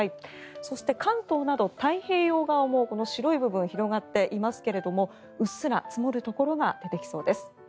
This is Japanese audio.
そして関東など太平洋側も白い部分広がっていますがうっすら積もるところが出てきそうです。